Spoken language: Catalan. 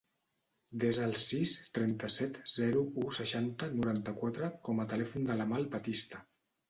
Desa el sis, trenta-set, zero, u, seixanta, noranta-quatre com a telèfon de l'Amal Batista.